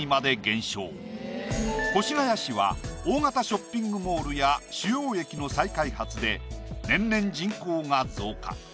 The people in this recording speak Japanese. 越谷市は大型ショッピングモールや主要駅の再開発で年々人口が増加。